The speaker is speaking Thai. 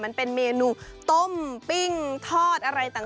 มันเป็นเมนูต้มปิ้งทอดอะไรต่าง